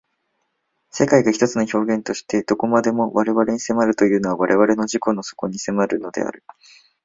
世界が一つの表現として何処までも我々に迫るというのは我々の自己の底にまで迫るのである。